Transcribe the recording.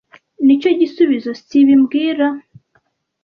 Nicyo gisubizo, sibi mbwira